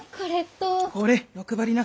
これ欲張りな！